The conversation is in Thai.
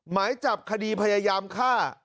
หมายจับคดีพยายามฆ่า